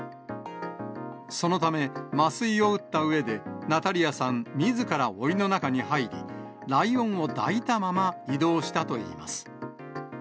そのため、麻酔を打ったうえで、ナタリヤさんみずからおりの中に入り、ライオンを抱いたまま移動したといいます。